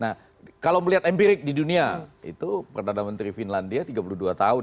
nah kalau melihat empirik di dunia itu perdana menteri finlandia tiga puluh dua tahun